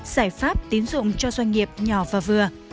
giải pháp tín dụng cho doanh nghiệp nhỏ và vừa